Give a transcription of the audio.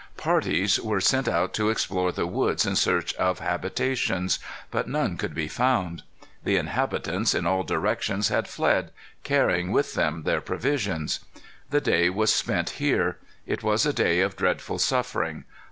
Parties were sent out to explore the woods in search of habitations. But none could be found. The inhabitants, in all directions, had fled, carrying with them their provisions. The day was spent here. It was a day of dreadful suffering.